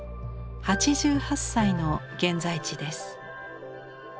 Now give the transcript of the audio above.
８８歳の現在地です。